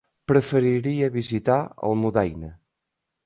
Preferiria visitar Almudaina.